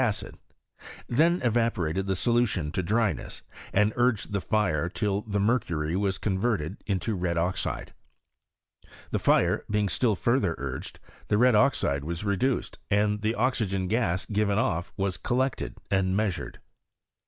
117 ) acid : tlien evaporated the solution to dryness, d urged the fire till the mercury was converted to red oxide. The fire being still further urged, » red oxide was reduced, and the oxygen gas retk off was collected and measured.